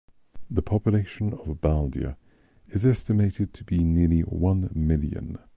The population of Baldia is estimated to be nearly one million.